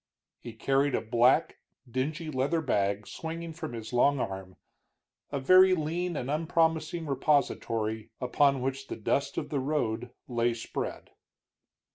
He carried a black, dingy leather bag swinging from his long arm, a very lean and unpromising repository, upon which the dust of the road lay spread.